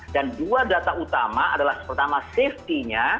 dan dua data utama adalah pertama safety nya